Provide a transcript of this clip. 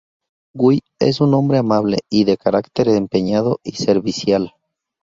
Guy es un hombre amable y de carácter empeñado y servicial.